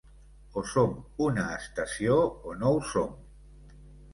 O som una estació o no ho som.